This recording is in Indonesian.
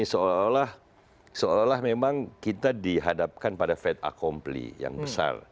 seolah olah memang kita dihadapkan pada fait accompli yang besar